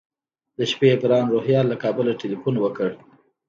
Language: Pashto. د شپې ګران روهیال له کابله تیلفون وکړ.